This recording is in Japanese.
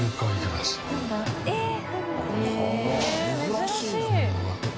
珍しいね。